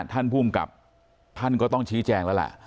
ท่านภูมิกับท่านก็ต้องชี้แจงแล้วล่ะ